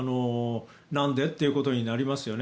なんで？ということになりますよね。